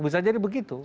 bisa jadi begitu